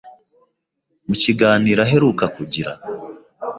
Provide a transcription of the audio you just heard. Mu kiganiro aheruka kugira,